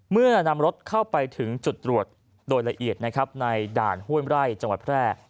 เมื่อนำรถเข้าไปถึงจุดรวดโดยละเอียดในฐานฮ่วยไล่จังหวัดแพร่